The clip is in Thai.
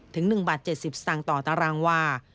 ถึง๑บาท๗๐สตางค์ต่อตารางวา